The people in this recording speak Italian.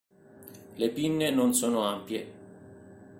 Le pinne non sono ampie.